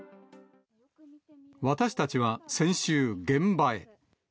私たちは先週、現場へ。